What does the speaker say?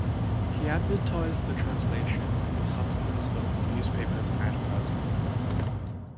He advertised the translation in the supplements of his newspapers and personally.